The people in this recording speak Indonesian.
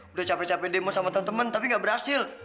udah capek capek demo sama temen temen tapi gak berhasil